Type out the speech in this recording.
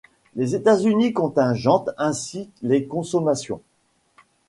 Les États-Unis contingentent ainsi les consommations.